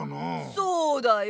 そうだよ！